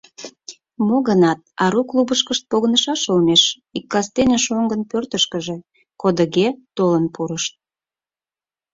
Мо-гынат, ару клубышкышт погынышаш олмеш ик кастене шоҥгын пӧртышкыжӧ кодыге толын пурышт.